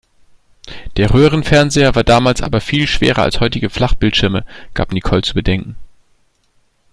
Der Röhrenfernseher war damals aber viel schwerer als heutige Flachbildschirme, gab Nicole zu bedenken.